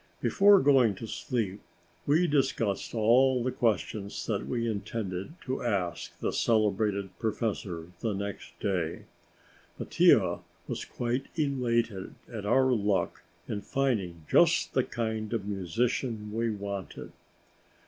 Before going to sleep, we discussed all the questions that we intended asking the celebrated professor the next day. Mattia was quite elated at our luck in finding just the kind of musician we wanted.